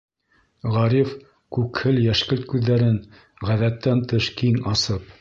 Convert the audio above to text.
Ғариф, күкһел йәшкелт күҙҙәрен ғәҙәттән тыш киң асып: